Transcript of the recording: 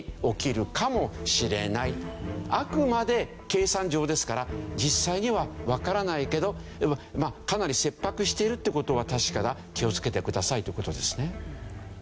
あくまで計算上ですから実際にはわからないけどかなり切迫しているっていう事は確かだ気を付けてくださいという事ですね。